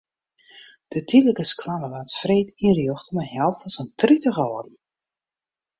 De tydlike skoalle waard freed ynrjochte mei help fan sa'n tritich âlden.